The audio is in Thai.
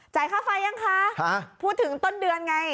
ค่าไฟยังคะพูดถึงต้นเดือนไง